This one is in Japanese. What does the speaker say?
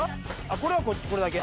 これはこっち、これだけ。